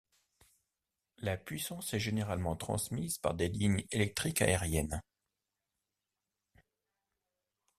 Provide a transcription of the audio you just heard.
La puissance est généralement transmise par des lignes électriques aériennes.